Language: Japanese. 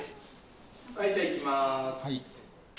はいじゃあいきます。